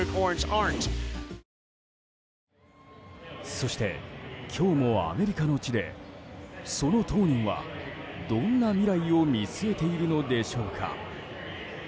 そして今日もアメリカの地でその当人はどんな未来を見据えているのでしょうか。